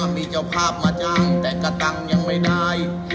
มีเจ้าภาพมาจ้างแต่กระตังค์ยังไม่ได้